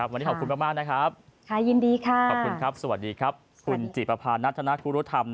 วันนี้ขอบคุณมากนะครับ